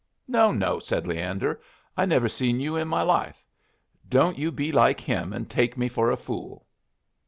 "No, no," said Leander. "I never seen you in my life. Don't you be like him and take me for a fool."